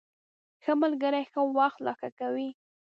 ښه ملګري ښه وخت لا ښه کوي.